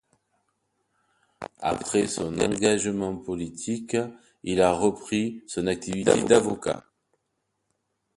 Après son engagement politique, il a repris son activité d'avocat.